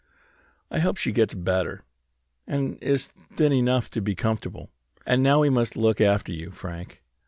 I hope she gets better, and is thin enough to be comfortable. And now we must look after you, Frank.